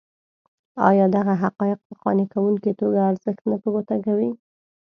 ایا دغه حقایق په قانع کوونکې توګه ارزښت نه په ګوته کوي.